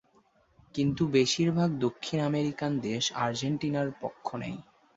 কিন্তু বেশির ভাগ দক্ষিণ আমেরিকান দেশ আর্জেন্টিনার পক্ষ নেয়।